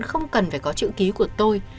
không cần phải có chữ ký của tôi